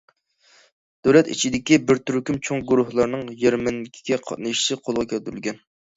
دۆلەت ئىچىدىكى بىر تۈركۈم چوڭ گۇرۇھلارنىڭ يەرمەنكىگە قاتنىشىشى قولغا كەلتۈرۈلگەن.